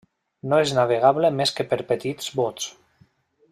No és navegable més que per petits bots.